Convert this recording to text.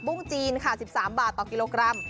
ปุ้งจีน๑๓บาทต่อกิโลกรัม